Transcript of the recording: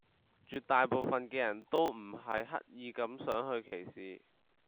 絕大部份嘅人都唔係刻意咁想去歧視